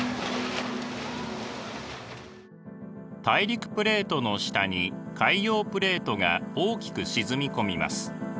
大陸プレートの下に海洋プレートが大きく沈み込みます。